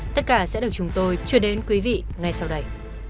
tất cả sẽ được chúng tôi truyền đến quý vị ngay sau đây